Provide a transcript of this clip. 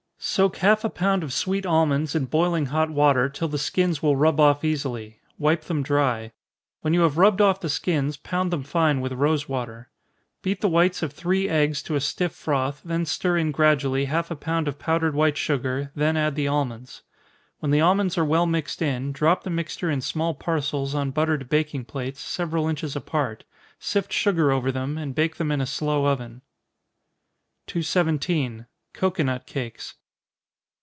_ Soak half a pound of sweet almonds in boiling hot water, till the skins will rub off easily wipe them dry. When you have rubbed off the skins, pound them fine with rosewater. Beat the whites of three eggs to a stiff froth, then stir in gradually half a pound of powdered white sugar, then add the almonds. When the almonds are well mixed in, drop the mixture in small parcels on buttered baking plates, several inches apart, sift sugar over them, and bake them in a slow oven. 217. _Cocoanut Cakes.